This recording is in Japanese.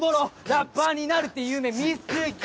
ラッパーになるって夢見すぎ⁉